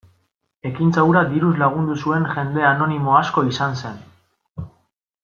Ekintza hura diruz lagundu zuen jende anonimo asko izan zen.